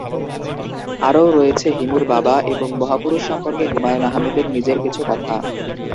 আরও রয়েছে হিমুর বাবা এবং মহাপুরুষ সম্পর্কে হুমায়ূন আহমেদের নিজের কিছু কথা।